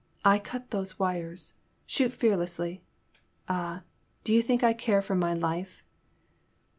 I cut those wires ! Shoot fearlessly — ^Ah, do you think I care for my life?''